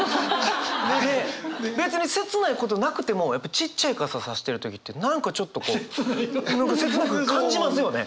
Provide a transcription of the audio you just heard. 別に切ないことなくてもちっちゃい傘さしてる時って何かちょっとこう何か切なく感じますよね！